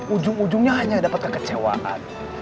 ujung ujungnya hanya dapat kekecewaan